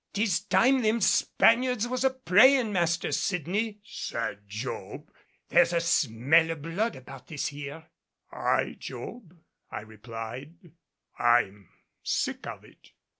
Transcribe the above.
"'Tis time them Spaniards was a praying, Master Sydney," said Job; "there's a smell o' blood about this here." "Aye, Job," I replied; "I'm sick of it."